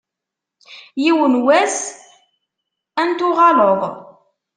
Yiwen n wass ad n-tuɣaleḍ.